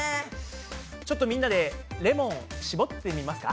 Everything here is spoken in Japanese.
ちょっとみんなでレモンしぼってみますか？